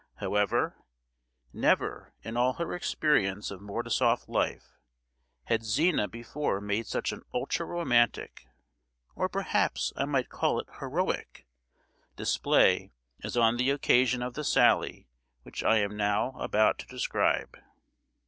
However, never, in all her experience of Mordasoff life, had Zina before made such an ultra romantic, or perhaps I might call it heroic, display as on the occasion of the sally which I am now about to describe.